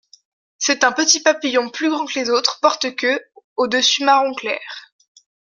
C'est un petit papillon plus grand que les autres porte-queue, au dessus marron clair.